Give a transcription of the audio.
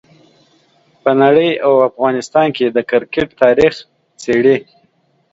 په نړۍ او افغانستان کې د کرکټ تاریخ څېړي.